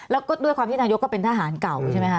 แล้วก็ด้วยความที่นายกก็เป็นทหารเก่าใช่ไหมค